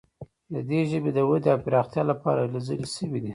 د دې ژبې د ودې او پراختیا لپاره هلې ځلې شوي دي.